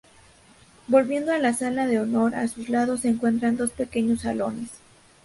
Volviendo a la sala de honor, a sus lados se encuentran dos pequeños salones.